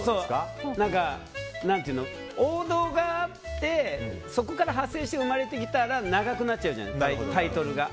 王道があって、そこから派生して生まれてきたら長くなっちゃうじゃないタイトルが。